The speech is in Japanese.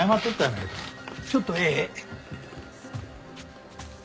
ちょっとええ？